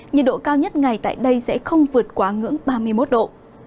nhiệt độ cao nhất ngày tại đây sẽ không vượt quá ngưỡng ba mươi một độ